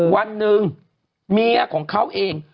วันหนึ่งเมียของเขาเอง